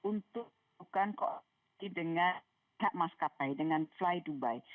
untuk melakukan koneksi dengan kmas kapai dengan fly dubai